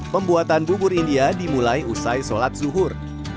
pembuatan bubur india dimulai usai sholat zuhur